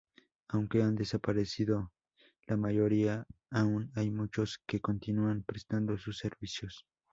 Aunque han desaparecido la mayoría, aún hay muchos que continúan prestando sus servicios.